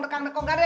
gak ada ya